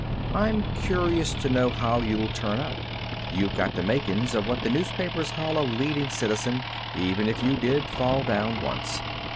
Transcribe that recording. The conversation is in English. I'm curious to know how'll you turn out. You've got the makin's of what the newspapers call a Leading Citizen, even if you did fall down once.